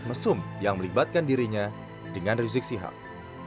sementara itu firza hussein juga telah menerima surat penghentian penyidikan perkaraan